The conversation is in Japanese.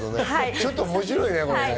ちょっと面白いね。